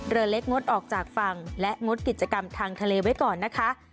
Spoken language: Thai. เรือเล็กงดออกจากฝั่งและงดกิจกรรมทางทะเลไว้ก่อนนะคะ